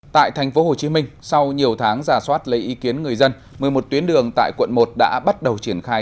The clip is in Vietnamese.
tại tp hcm sau nhiều tháng giả soát lấy ý kiến người dân một mươi một tuyến đường tại quận một đã bắt đầu triển khai